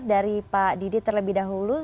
dari pak didi terlebih dahulu